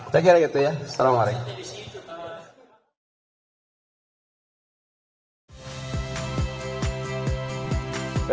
saya kira gitu ya selamat malam